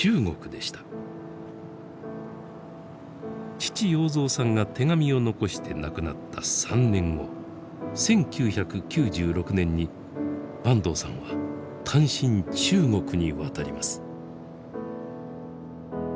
父要三さんが手紙を遺して亡くなった３年後１９９６年に坂東さんは単身中国に渡ります。